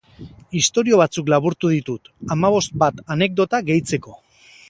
Istorio batzuk laburtu ditut, hamabost bat anekdota gehitzeko.